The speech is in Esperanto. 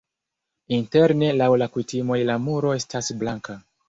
Interne laŭ la kutimoj la muro estas blanka.